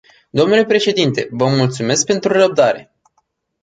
Dle președinte, vă mulțumesc pentru răbdare.